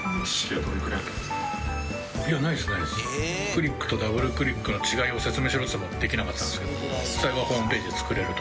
「クリックとダブルクリックの違いを説明しろ」っつってもできなかったんですけど。